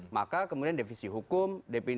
maka kemudian devisi hukum